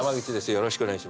よろしくお願いします。